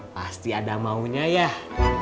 pasti ada maunya yah